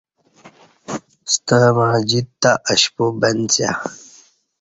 ستہ مع جیت تہ اشپو بنڅیا